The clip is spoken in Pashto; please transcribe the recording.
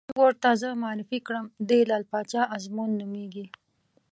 عارف ور ته زه معرفي کړم: دی لعل باچا ازمون نومېږي.